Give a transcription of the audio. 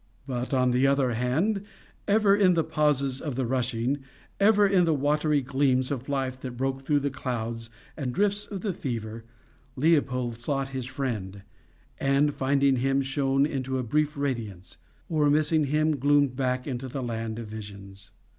But, on the other hand, ever in the pauses of the rushing, ever in the watery gleams of life that broke through the clouds and drifts of the fever, Leopold sought his friend, and, finding him, shone into a brief radiance, or, missing him, gloomed back into the land of visions.